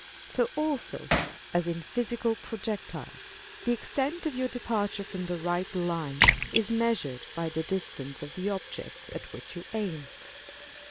So also, as in physical projectiles, the extent of your departure from the right line is measured by the distance of the objects at which you aim.